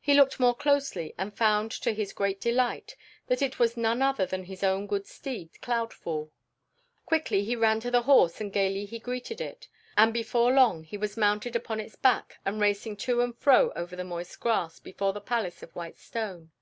He looked more closely and found to his great delight that it was none other than his own good steed Cloudfall. Quickly he ran to the horse and gaily he greeted it, and before long he was mounted upon its back and racing to and fro over the moist grass before the palace of white stone.